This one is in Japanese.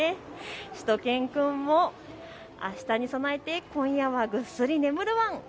しゅと犬くんもあしたに備えて今夜はぐっすり眠るワン。